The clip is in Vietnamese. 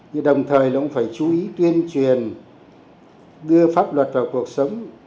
nhưng đồng thời nó cũng phải chú ý tuyên truyền đưa pháp luật vào cuộc sống